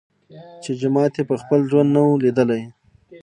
چي جومات یې په خپل ژوند نه وو لیدلی